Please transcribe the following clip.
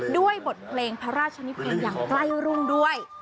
ด้วยบทเพลงพระราชนิพลอย่างใกล้รุ่งด้วย